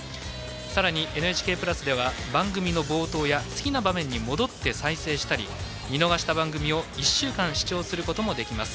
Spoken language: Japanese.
さらに「ＮＨＫプラス」では番組の冒頭や好きな場面に戻って再生したり見逃した番組を１週間視聴することもできます。